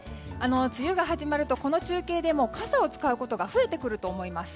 梅雨が始まるとこの中継でも傘を使うことが増えてくると思います。